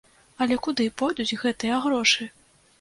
Але куды пойдуць гэтыя грошы?